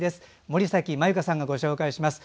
森崎繭香さんがご紹介します。